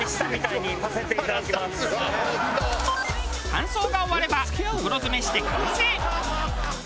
乾燥が終われば袋詰めして完成。